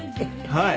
はい。